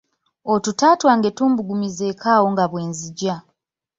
Otuta twange tumbugumizeeko awo nga bwe nzija.